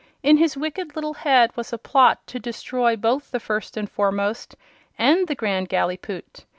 In his wicked little head was a plot to destroy both the First and Foremost and the Grand Gallipoot.